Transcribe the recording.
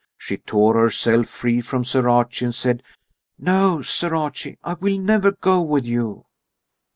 She tore herself free from Sir Archie and said: "No, Sir Archie, I will never go with you."